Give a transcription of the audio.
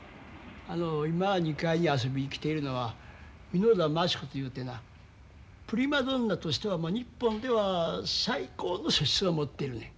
今２階に遊びに来ているのは簑田麻知子というてなプリマドンナとしては日本では最高の素質を持ってるねん。